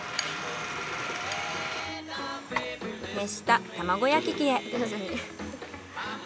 熱した卵焼き器へ。